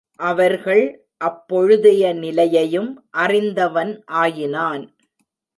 அவர்கள் அப்பொழுதைய நிலையையும் அறிந்தவன் ஆயினான்.